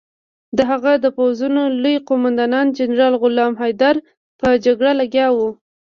د هغه د پوځونو لوی قوماندان جنرال غلام حیدر په جګړه لګیا وو.